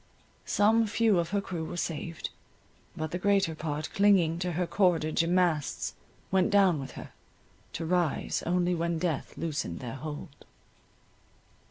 Some few of her crew were saved, but the greater part clinging to her cordage and masts went down with her, to rise only when death loosened their hold.